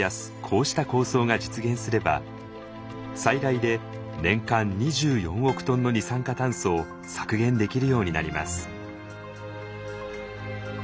こうした構想が実現すれば最大で年間２４億トンの二酸化炭素を削減できるようになります。